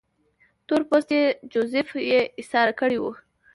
تور پوستی جوزیف یې ایسار کړی وو.